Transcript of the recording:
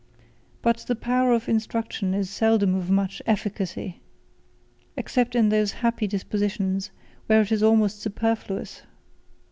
But the power of instruction is seldom of much efficacy, except in those happy dispositions where it is almost superfluous.